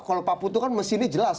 kalau paho itu kan mesinnya jelas